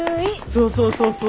そうそうそうそうそう。